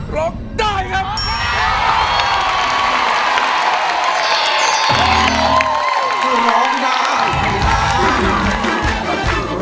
ร้องได้ครับ